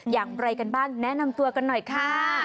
อย่างไรกันบ้างแนะนำตัวกันหน่อยค่ะ